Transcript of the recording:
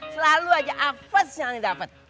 selalu aja apes yang aneh dapet